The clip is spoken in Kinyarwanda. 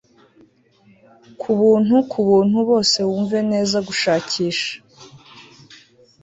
kubuntu kubuntu bose Wumve neza gushakisha